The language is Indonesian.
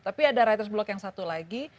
tapi ada writer's block yang satu lagi